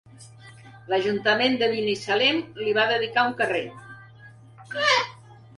L'Ajuntament de Binissalem li va dedicar un carrer.